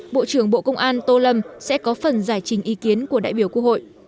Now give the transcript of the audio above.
bộ trưởng bộ công an tô lâm sẽ có phần giải trình ý kiến của đại biểu quốc hội